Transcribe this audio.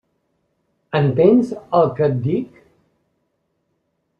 Entens el que et dic?